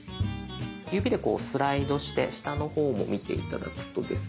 指でスライドして下の方も見て頂くとですね